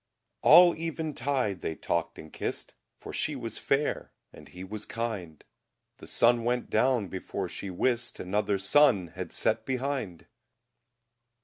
All Even Tide they Talkde and Kist, For She was Fayre and He was Kinde; The Sunne went down before She wist Another Sonne had sett behinde!